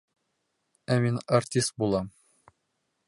— Ә мин артист булам!